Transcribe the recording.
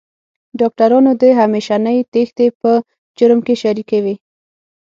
ډاکټرانو د همېشنۍ تېښتې په جرم کې شریکې وې.